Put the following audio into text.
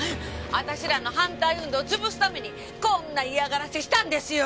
私らの反対運動を潰すためにこんな嫌がらせしたんですよ！